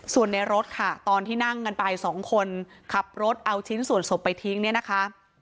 ส่วนในรถค่ะตอนที่นั่งกันไปสองคนขับรถเอาชิ้นส่วนศพไปทิ้งเนี่ยนะคะ